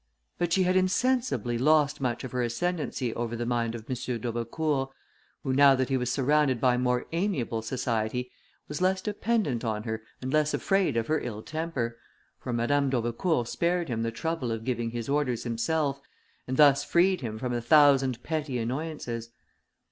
But she had insensibly lost much of her ascendancy over the mind of M. d'Aubecourt, who, now that he was surrounded by more amiable society, was less dependent on her and less afraid of her ill temper; for Madame d'Aubecourt spared him the trouble of giving his orders himself, and thus freed him from a thousand petty annoyances.